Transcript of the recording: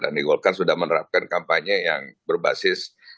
dan di golkar sudah menerapkan kampanye yang berbasis